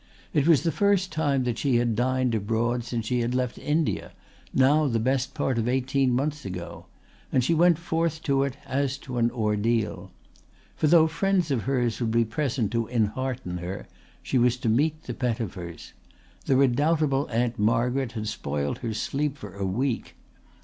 It was the first time that she had dined abroad since she had left India, now the best part of eighteen months ago, and she went forth to it as to an ordeal. For though friends of hers would be present to enhearten her she was to meet the Pettifers. The redoubtable Aunt Margaret had spoilt her sleep for a week.